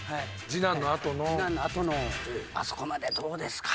次男のあとのあそこまでどうですか？